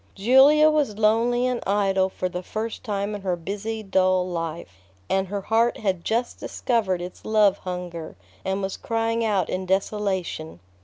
Julia was lonely and idle for the first time in her busy, dull life, and her heart had just discovered its love hunger, and was crying out in desolation.